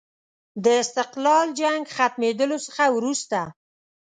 د استقلال جنګ ختمېدلو څخه وروسته.